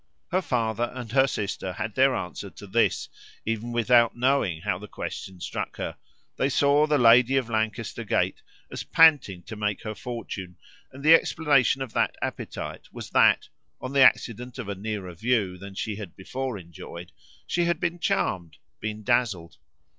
Her father and her sister had their answer to this even without knowing how the question struck her: they saw the lady of Lancaster Gate as panting to make her fortune, and the explanation of that appetite was that, on the accident of a nearer view than she had before enjoyed, she had been charmed, been dazzled.